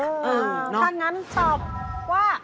ถ้างั้นตอบว่า